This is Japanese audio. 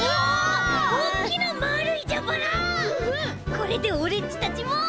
これでオレっちたちも。